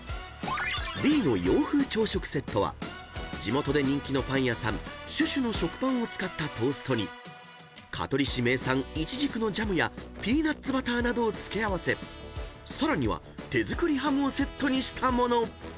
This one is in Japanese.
［Ｂの洋風朝食セットは地元で人気のパン屋さん「シュシュ」の食パンを使ったトーストに香取市名産いちじくのジャムやピーナッツバターなどを付け合わせさらには手造りハムをセットにした物］